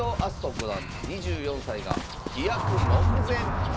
五段２４歳が飛躍目前！